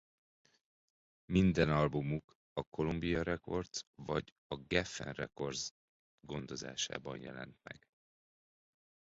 Minden albumuk a Columbia Records vagy a Geffen Records gondozásában jelent meg.